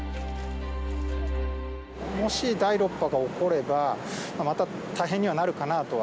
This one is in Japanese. もし第６波が起これば、また大変にはなるかなとは。